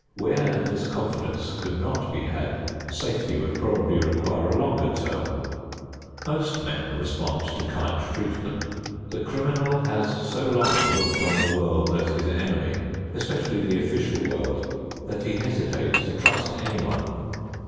Where this confidence could not be had, safety would probably require a longer term. Most men respond to kind treatment. The criminal has so long looked on the world as his enemy, especially the official world, that he hesitates to trust anyone.